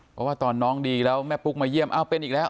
เพราะว่าตอนน้องดีแล้วแม่ปุ๊กมาเยี่ยมอ้าวเป็นอีกแล้ว